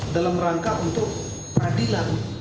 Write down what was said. dalam rangka untuk peradilan